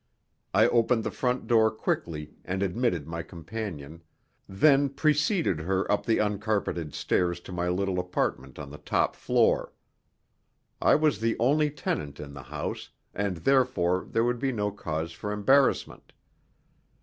I opened the front door quickly and admitted my companion, then preceded her up the uncarpeted stairs to my little apartment on the top floor. I was the only tenant in the house, and therefore there would be no cause for embarrassment.